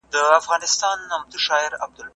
کومې ډلې د ټولنيزې بدلون په پروسه کي متقابل اثر لري؟